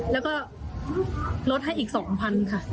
แล้วก็ลดให้อีก๒๐๐๐ค่ะ